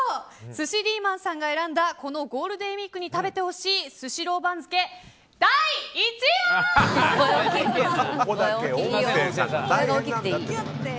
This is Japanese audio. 寿司リーマンさんが選んだゴールデンウィークに食べてほしいスシロー番付第１位は。